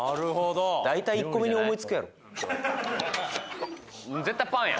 大体１個目に思いつくやろ絶対パンや